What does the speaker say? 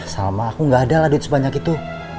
salma aku gak ada lah duit sebanyak itu